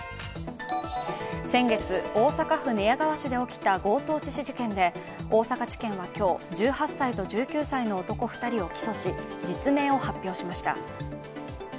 先月、大阪府寝屋川市で起きた強盗致死事件で大阪地検は今日、１８歳と１９歳の男２人を起訴し、実名を発表しました。